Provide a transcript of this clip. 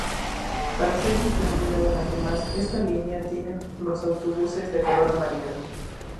Para ser distinguida de las demás, esta línea tiene los autobuses de color amarillo.